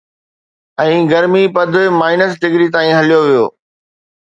۽ گرمي پد minus degree تائين هليو ويو